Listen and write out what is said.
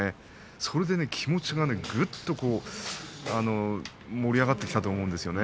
それで気持ちがぐっと盛り上がってきたと思うんですよね。